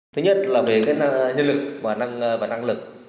thứ nhất là về nhân lực và năng lực